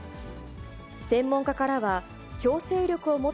専門家からは、強制力を持っ